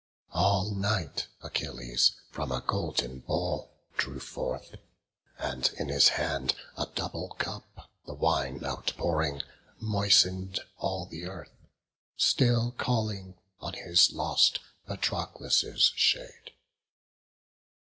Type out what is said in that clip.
All night Achilles from a golden bowl Drew forth, and, in his hand a double cup, The wine outpouring, moisten'd all the earth, Still calling on his lost Patroclus' shade.